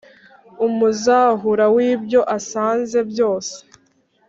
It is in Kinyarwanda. Umuzahura w’ibyo asanze byose